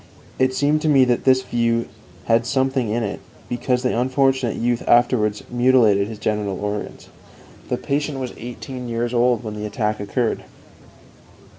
It seemed to me that this view had something in it, because the unfortunate youth afterwards mutilated his genital organs. The patient was eighteen years old when the attack occurred.